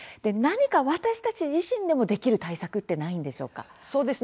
何か、私たち自身でもできる対策ってないんでしょうか？